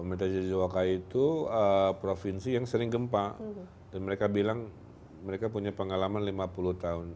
mereka bilang bahwa mereka punya pengalaman lima puluh tahun